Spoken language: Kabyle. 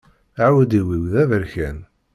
Aεudiw-iw d aberkan.